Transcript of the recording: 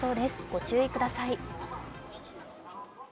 ご注意ください。